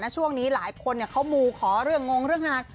ช่วงนี้หลายคนเขามูขอเรื่องงงเรื่องงาน